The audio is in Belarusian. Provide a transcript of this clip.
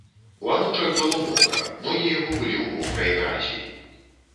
У анучах было мокра, ногі яго былі ў мокрай гразі.